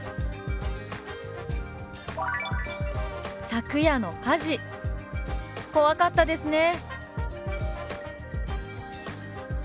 「昨夜の火事怖かったですね」。